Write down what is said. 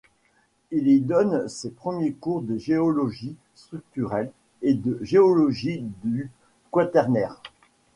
Il y donne ses premiers cours de géologie structurelle et de géologie du Quaternaire.